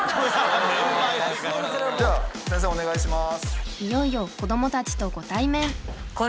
先生お願いします。